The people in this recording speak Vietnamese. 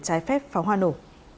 phép pháo hoa nổ